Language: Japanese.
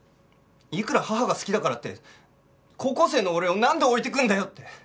いくら母が好きだからって高校生の俺をなんで置いていくんだよって。